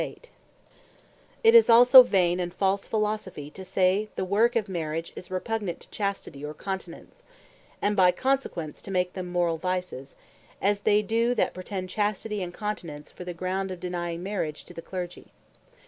And That Lawfull Marriage Is Unchastity It is also Vain and false Philosophy, to say the work of Marriage is repugnant to Chastity, or Continence, and by consequence to make them Morall Vices; as they doe, that pretend Chastity, and Continence, for the ground of denying Marriage to the Clergy.